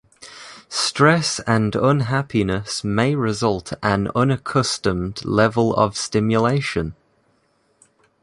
Stress and unhappiness may result an unaccustomed level of stimulation.